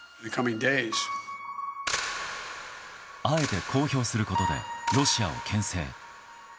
あえて公表することでロシアを牽制。